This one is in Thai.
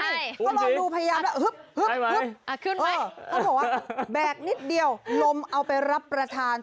เขาลองดูพยายามแล้วเขาบอกว่าแบกนิดเดียวลมเอาไปรับประทาน